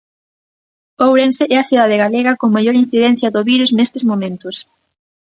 Ourense é a cidade galega con maior incidencia do virus nestes momentos.